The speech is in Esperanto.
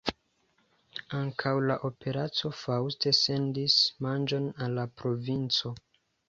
Ankaŭ la Operaco Faust sendis manĝon al la provinco.